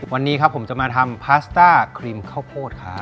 วันนี้ครับผมจะมาทำพาสต้าครีมข้าวโพดครับ